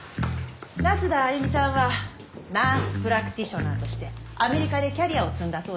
那須田歩さんはナース・プラクティショナーとしてアメリカでキャリアを積んだそうです。